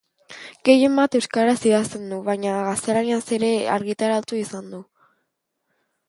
Gehienbat euskaraz idazten du, baina gaztelaniaz ere argitaratu izan du.